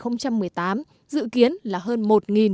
năm hai nghìn một mươi tám dự kiến là hơn một một trăm bảy mươi tỷ đồng